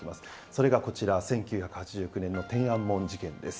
それがこちら、１９８９年の天安門事件です。